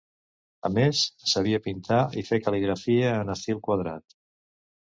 A més, sabia pintar i fer cal·ligrafia en estil quadrat.